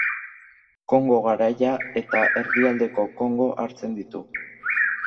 Kongo garaia eta Erdialdeko Kongo hartzen ditu.